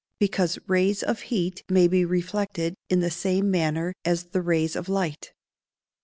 _ Because rays of heat may be reflected in the same manner as the rays of light.